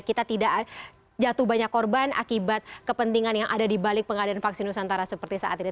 kita tidak jatuh banyak korban akibat kepentingan yang ada di balik pengadaan vaksin nusantara seperti saat ini